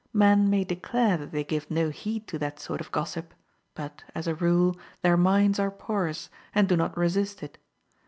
Men may declare that they give no heed to that sort of gossip ; but, as a rule, their minds are porous, and do not resist it.